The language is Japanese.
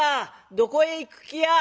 どこへ行く気や？」。